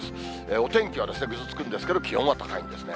お天気はぐずつくんですけど、気温は高いんですね。